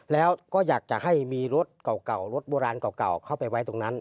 แล้วก็อยากจะให้มีรถเก่ารถโบราณเก่าเข้าไปไว้ตรงนั้น